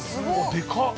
◆でかっ。